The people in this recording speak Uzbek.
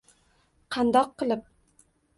– Qandoq qilib?